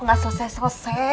nggak selesai selesai